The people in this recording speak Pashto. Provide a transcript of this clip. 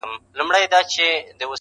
لکه قام وي د ټپوس او د بازانو٫